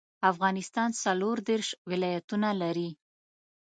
افغانستان څلوردیرش ولايتونه لري.